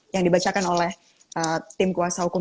yang dibacakan oleh tim kuasa hukum